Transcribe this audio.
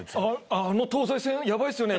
ああの東西線ヤバいっすよね。